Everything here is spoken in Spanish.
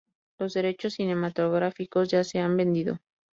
Los derechos cinematográficos ya se han vendido.